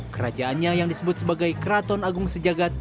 kerajaannya yang disebut sebagai keraton agung sejagat